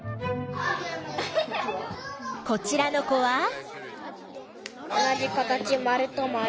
こちらの子は？